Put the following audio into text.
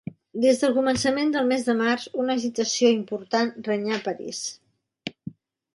Des del començament del mes de març, una agitació important regnà a París.